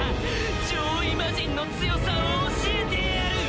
上位魔人の強さを教えてやる！